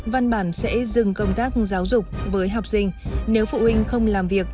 văn bản sẽ dừng công tác giáo dục với học sinh nếu phụ huynh không làm việc